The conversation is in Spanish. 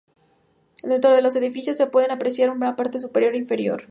Dentro del edificio se puede apreciar un parte superior e inferior.